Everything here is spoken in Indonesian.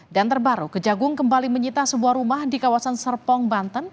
dan terbaru kejagung kembali menyita sebuah rumah di kawasan serpong banten